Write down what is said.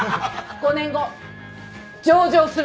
５年後上場するから。